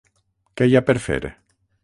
Què hi ha per fer?